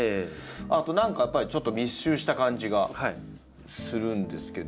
あと何かやっぱりちょっと密集した感じがするんですけど。